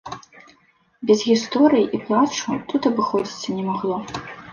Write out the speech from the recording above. Без гісторый і плачу тут абыходзіцца не магло.